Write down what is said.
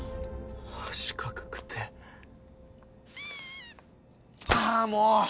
四角くてああっもう！